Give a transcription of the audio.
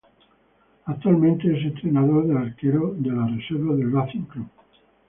Actualmente es entrenador de Arqueros de la reserva de Racing Club.